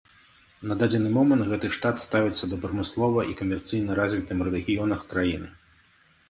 На дадзены момант гэты штат ставіцца да прамыслова і камерцыйна развітым рэгіёнах краіны.